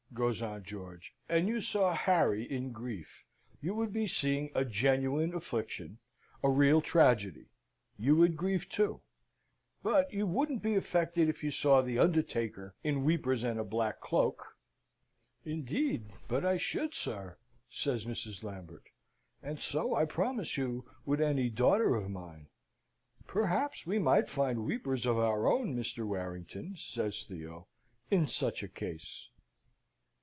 goes on George, "and you saw Harry in grief, you would be seeing a genuine affliction, a real tragedy; you would grieve too. But you wouldn't be affected if you saw the undertaker in weepers and a black cloak!" "Indeed, but I should, sir!" says Mrs. Lambert; "and so, I promise you, would any daughter of mine." "Perhaps we might find weepers of our own, Mr. Warrington," says Theo, "in such a case."